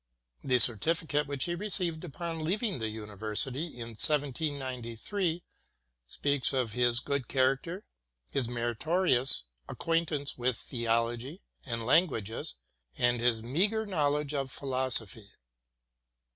The certificate which he received upon leaving the University in 1793 speaks of his good character, his meritorious acquaintance with theology and languages, and his meagre knowledge of philosophy.